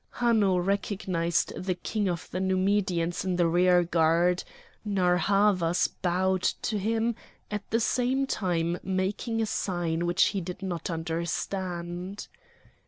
Hanno recognised the king of the Numidians in the rearguard; Narr' Havas bowed to him, at the same time making a sign which he did not understand.